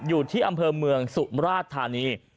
อยู่ที่อำเภอเมืองสุมราชธานี